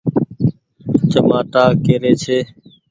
چمآٽآ ڪي ري ڇي ۔